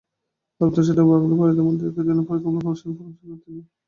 পার্বত্য চট্টগ্রামে বাঙালি-পাহাড়িদের মধ্যে একই ধরনের পরীক্ষামূলক গবেষণার পরামর্শ দেন তিনি।